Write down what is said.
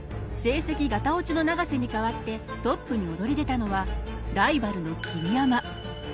成績ガタオチの永瀬に代わってトップに躍り出たのはライバルの桐山。